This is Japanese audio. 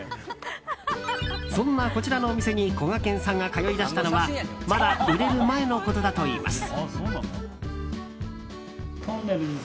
そんなこちらのお店にこがけんさんが通いだしたのはまだ売れる前のことだといいます。